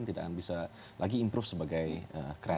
tidak akan bisa lagi improve sebagai kereta